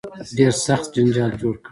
ډېر سخت جنجال جوړ کړ.